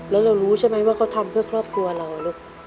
แล้วเรารู้ใช่ไหมว่าเขาทำเพื่อครอบครัวเราลูก